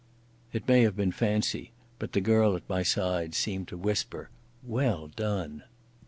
It may have been fancy, but the girl at my side seemed to whisper "Well done!"